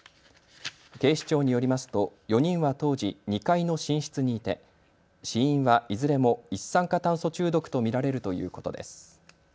警視庁によりますと４人は当時、２階の寝室にいて死因はいずれも一酸化炭素中毒と見られるということです。